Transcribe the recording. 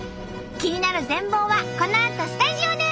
気になる全貌はこのあとスタジオで！